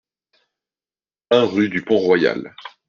un rue du Pont Royal